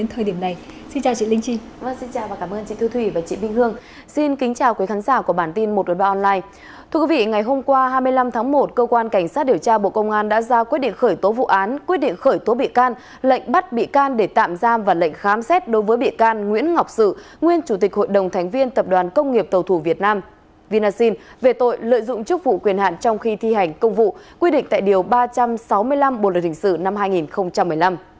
hôm qua hai mươi năm tháng một cơ quan cảnh sát điều tra bộ công an đã ra quyết định khởi tố vụ án quyết định khởi tố bị can lệnh bắt bị can để tạm giam và lệnh khám xét đối với bị can nguyễn ngọc sử nguyên chủ tịch hội đồng thánh viên tập đoàn công nghiệp tàu thủ việt nam vinaxin về tội lợi dụng chức vụ quyền hạn trong khi thi hành công vụ quy định tại điều ba trăm sáu mươi năm bộ lợi hình sự năm hai nghìn một mươi năm